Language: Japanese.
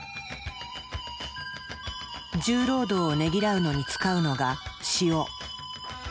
重労働をねぎらうのに使うのが「塩」。